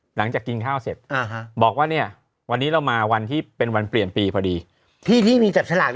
หลังจากกินข้าวเสร็จ